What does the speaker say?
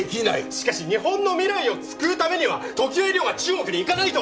しかし日本の未来を救うためには常盤医療が中国に行かないと！